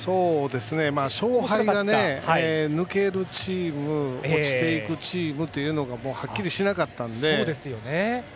勝敗が、抜けるチーム落ちていくチームというのがはっきりしなかったのでね。